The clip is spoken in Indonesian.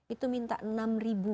itu minta enam ribu